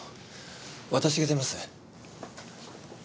私が出ます。